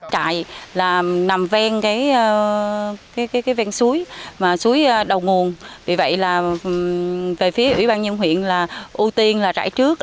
trại là nằm ven suối đầu nguồn vì vậy về phía ủy ban nhân huyện là ưu tiên trại trước